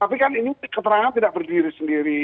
tapi kan ini keterangan tidak berdiri sendiri